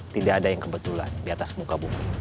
tidak ada yang kebetulan di atas muka bumi